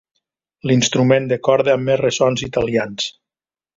L'instrument de corda amb més ressons italians.